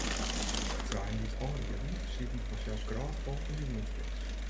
De treinen dy't ál rieden, sieten fansels grôtfol yn 'e jûnsspits.